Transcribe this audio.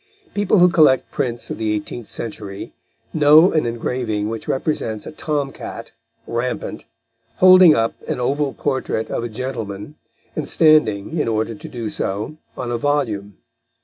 People who collect prints of the eighteenth century know an engraving which represents a tom cat, rampant, holding up an oval portrait of a gentleman and standing, in order to do so, on a volume.